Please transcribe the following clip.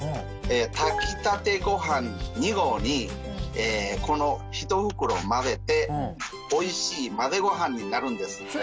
炊きたてご飯２合にこのひと袋を混ぜておいしい混ぜご飯になるんです。